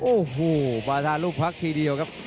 โอ้โหประทานรูปพลักษณ์ทีเดียวครับ